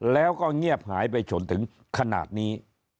แล้วก็เงียบหายไปจนถึงขนาดนี้